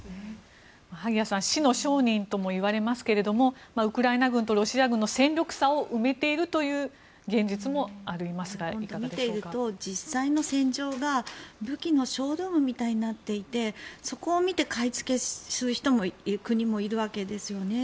萩谷さん死の商人ともいわれますけれどもウクライナ軍とロシア軍の戦力差を埋めているという見ていると実際の戦場が武器のショールームみたいになっていてそこを見て買い付けをする人や国もいるわけですよね。